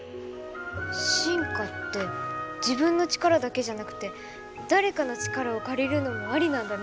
進化って自分の力だけじゃなくて誰かの力を借りるのもありなんだね。